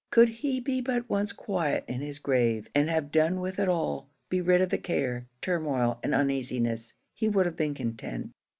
Could he be but once quiet in his grave, and have done with it all be rid of the care, turmoil, and uneasiness, he would have been content.